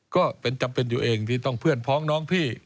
ก็เป็นจำเป็นอยู่เองที่ต้องเพื่อนพ้องน้องพี่